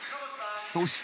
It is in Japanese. そして。